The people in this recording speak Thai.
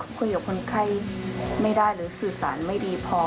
คุยกับคนไข้ไม่ได้หรือสื่อสารไม่ดีพอ